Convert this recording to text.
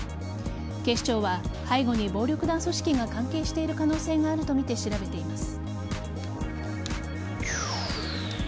警視庁は背後に暴力団組織が関係している可能性があるとみて調べています。